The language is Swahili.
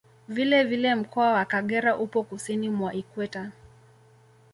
Vile vile Mkoa wa Kagera upo Kusini mwa Ikweta